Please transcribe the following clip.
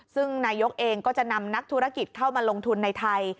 ซึ่งนายกเองก็จะนำนักธุรกิจเข้ามาลงทุนในไทย